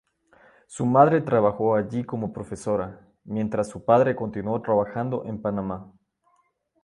Su madre trabajó allí como profesora, mientras su padre continuó trabajando en Panamá.